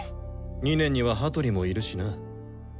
２年には羽鳥もいるしな。